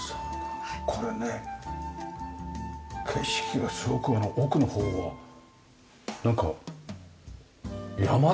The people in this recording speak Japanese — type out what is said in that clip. これね景色がすごく奥の方はなんか山ですか？